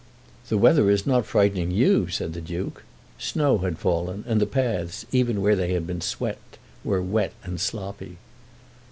"The weather is not frightening you," said the Duke. Snow had fallen, and the paths, even where they had been swept, were wet and sloppy.